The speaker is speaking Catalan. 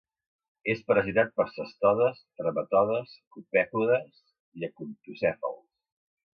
És parasitat per cestodes, trematodes, copèpodes i acantocèfals.